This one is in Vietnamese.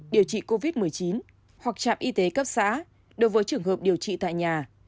điều trị covid một mươi chín hoặc trạm y tế cấp xã đối với trường hợp điều trị tại nhà